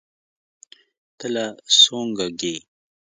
ته لا سونګه ږې.